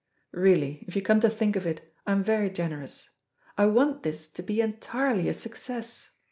Really, if you come to think of it, I am very generous. I want this to be entirely a success.